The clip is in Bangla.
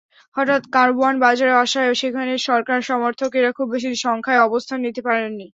হঠাৎ কারওয়ান বাজারে আসায় সেখানে সরকার-সমর্থকেরা খুব বেশি সংখ্যায় অবস্থান নিতে পারেননি।